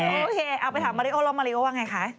โอเคเอาไปถามมาริโอแล้วมาริโอว่าไงคะ